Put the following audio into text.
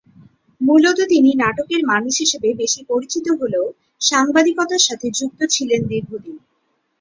মূলত তিনি নাটকের মানুষ হিসেবে বেশি পরিচিত হলেও সাংবাদিকতার সাথে যুক্ত ছিলেন দীর্ঘদিন।